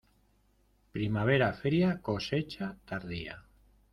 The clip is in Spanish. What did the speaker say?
Primavera fría, cosecha tardía.